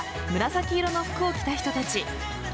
紫色の服を着た人たち。